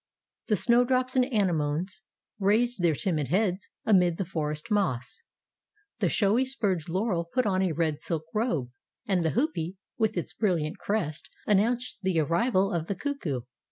The snowdrops and anemones raised their timid heads amid the forest moss. The showy spurge laurel put on a red silk robe, and the hoopee, with its brilliant crest, announced the arrival of the cuckoo.